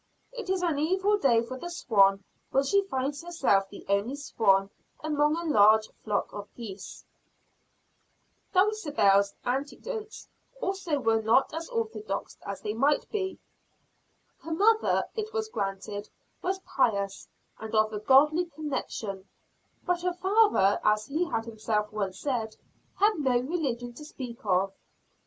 It is an evil day for the swan when she finds herself the only swan among a large flock of geese. Dulcibel's antecedents also were not as orthodox as they might be. Her mother, it was granted, was "pious," and of a "godly" connection; but her father, as he had himself once said, "had no religion to speak of."